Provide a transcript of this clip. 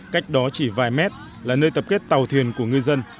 cách đó chỉ vài mét là nơi tập kết tàu thuyền của ngư dân